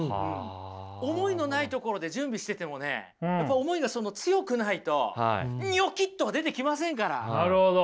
思いのないところで準備しててもねやっぱり思いが強くないとニョキッとは出てきませんから！